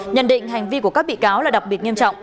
nhận định hành vi của các bị cáo là đặc biệt nghiêm trọng